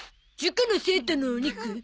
塾の生徒のお肉？